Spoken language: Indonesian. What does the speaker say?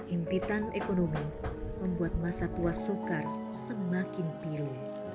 impitan ekonomi membuat masa tua soekar semakin pilu